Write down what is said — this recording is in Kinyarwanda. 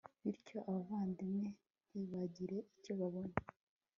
bityo abavandimwe ntibagire icyo babona